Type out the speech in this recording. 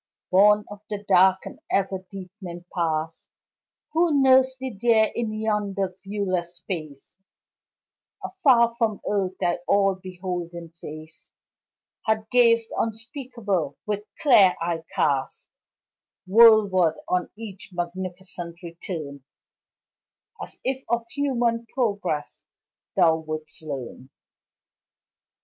Born of the dark and ever deepening Past, Who nurs'd thee there in yonder viewless space Afar from earth thy all beholding face Hath gazed unspeakable, with clear eye cast Worldward on each magnificent return As if of human progress thou wouldst learn.